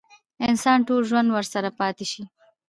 انسان ټول ژوند ورسره پاتې شي.